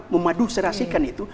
untuk memaduserasikan itu